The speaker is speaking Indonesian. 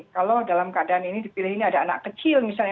kalau dalam keadaan ini dipilih ini ada anak kecil misalnya